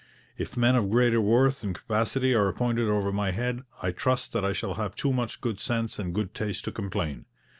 If men of greater worth and capacity are appointed over my head, I trust that I shall have too much good sense and good taste to complain.